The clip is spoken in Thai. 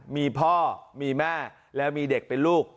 มีพ่อมีแม่แล้วมีเด็กเป็นลูก